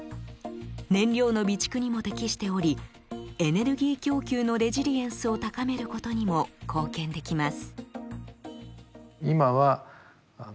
燃料の備蓄にも適しておりエネルギー供給のレジリエンスを高めることにも貢献できます。